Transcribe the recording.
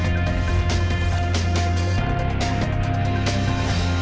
pemerintah berharap tren positif ini dapat dijaga